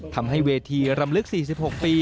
ทำให้เวทีรำลึก๔๖ปี